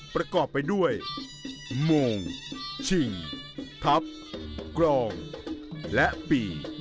ประกอบไปด้วยอุโมงชิงทัพกรองและปี